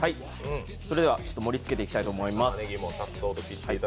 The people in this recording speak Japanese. それでは盛りつけていきたいと思います。